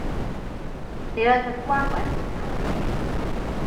你兩隻嘩鬼係度搞乜鬼野